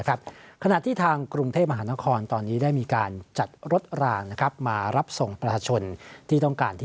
ขณะที่ทางกรุงเทพมหานครตอนนี้ได้มีการจัดรถรางนะครับมารับส่งประชาชนที่ต้องการที่